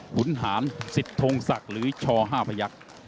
ขุนหารสิทธงศักดิ์หรือช่อ๕พยักษ์